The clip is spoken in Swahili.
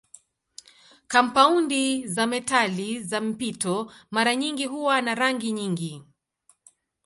Kampaundi za metali za mpito mara nyingi huwa na rangi nyingi.